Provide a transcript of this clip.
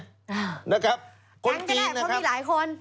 กรีนนะครับแก๊งก็ได้เพราะมีหลายคน